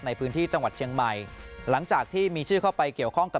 ในพื้นที่จังหวัดเชียงใหม่หลังจากที่มีชื่อเข้าไปเกี่ยวข้องกับ